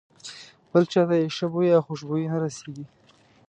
بل چاته یې ښه بوی او خوشبويي نه رسېږي.